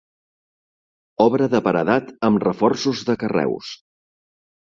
Obra de paredat amb reforços de carreus.